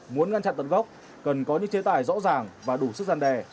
muốn ngăn chặn tận gốc cần có những chế tải rõ ràng và đủ sức gian đề